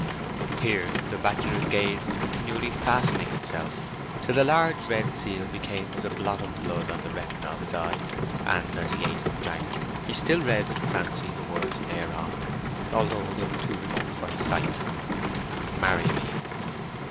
Here the bachelor's gaze was continually fastening itself, till the large red seal became as a blot of blood on the retina of his eye; and as he ate and drank he still read in fancy the words thereon, although they were too remote for his sight— "MARRY ME."